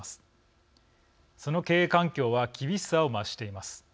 その経営環境は厳しさを増しています。